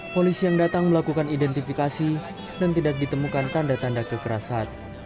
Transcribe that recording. polisi yang datang melakukan identifikasi dan tidak ditemukan tanda tanda kekerasan